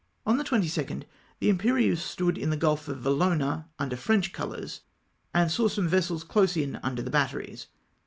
On tlie 22nd tlie Imperieuse stood into the Gulf of Valona under French colours, and saw some vessels close in under the batteries.